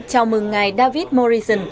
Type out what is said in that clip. chào mừng ngày david morrison